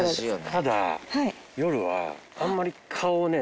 ただ夜はあんまり顔をね